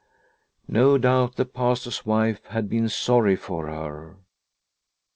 No doubt the Pastor's wife had been sorry for her.